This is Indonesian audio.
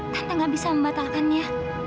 tante nggak bisa membatalkannya